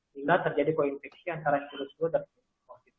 bila terjadi koinfeksi antara virus flu dan covid